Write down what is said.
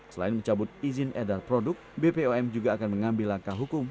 selain mencabut izin edar produk bpom juga akan mengambil langkah hukum